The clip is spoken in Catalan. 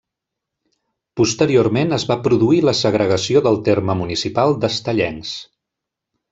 Posteriorment es va produir la segregació del terme municipal d'Estellencs.